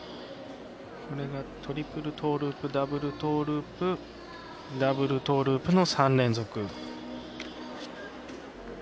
これがトリプルトーループダブルトーループダブルトーループの３連続。